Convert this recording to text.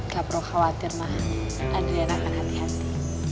gak perlu khawatir ma adriana akan hati hati